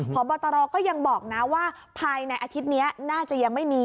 พบตรก็ยังบอกนะว่าภายในอาทิตย์นี้น่าจะยังไม่มี